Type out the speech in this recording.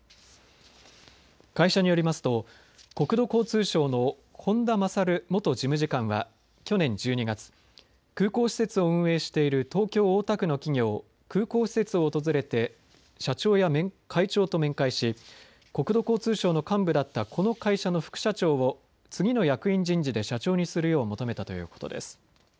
会社によりますと国土交通省の本田勝元事務次官は去年１２月、空港施設を運営している東京大田区の企業、空港施設を訪れて社長や会長と面会し国土交通省の幹部だったこの会社の副社長を次の役員人事で社長にするよう求めたということです。